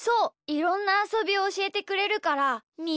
いろんなあそびをおしえてくれるからみ